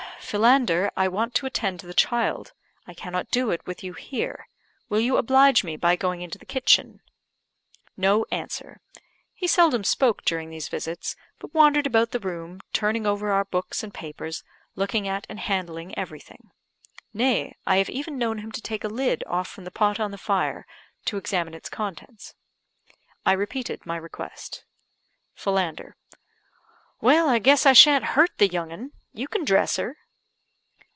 "Philander, I want to attend to the child; I cannot do it with you here. Will you oblige me by going into the kitchen?" No answer. He seldom spoke during these visits, but wandered about the room, turning over our books and papers, looking at and handling everything. Nay, I have even known him to take a lid off from the pot on the fire, to examine its contents. I repeated my request. Philander: "Well, I guess I shan't hurt the young 'un. You can dress her."